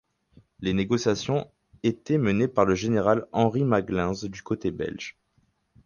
Les négociations étaient menées par le général Henri Maglinse du côté belge.